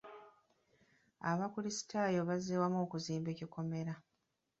Abakulisitaayo bazze wamu okuzimba ekikomera.